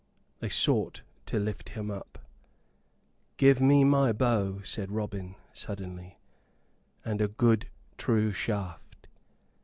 They sought to lift him up. "Give me my bow," said Robin, suddenly, "and a good true shaft."